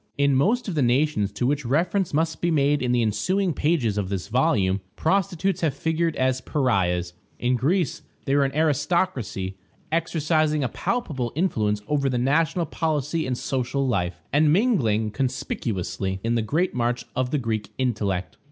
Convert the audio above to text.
In most of the nations to which reference must be made in the ensuing pages of this volume, prostitutes have figured as pariahs; in Greece they were an aristocracy, exercising a palpable influence over the national policy and social life, and mingling conspicuously in the great march of the Greek intellect.